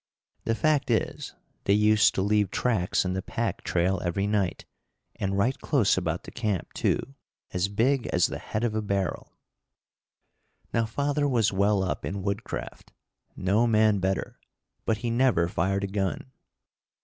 The fact is, they used to leave tracks in the pack trail every night, and right close about the camp, too, as big as the head of a barrel. Now father was well up in woodcraft, no man better, but he never fired a gun.